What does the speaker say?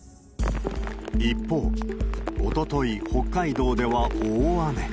一方、おととい、北海道では大雨。